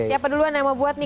siapa duluan yang mau buat nih